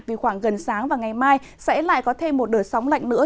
vì khoảng gần sáng và ngày mai sẽ lại có thêm một đợt sóng lạnh nữa